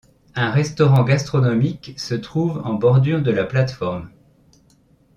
Un restaurant gastronomique se trouve en bordure de la plateforme.